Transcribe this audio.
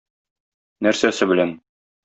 Нәрсәсе белән?